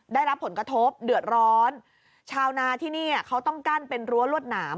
ได้รับผลกระทบเดือดร้อนชาวนาที่นี่เขาต้องกั้นเป็นรั้วรวดหนาม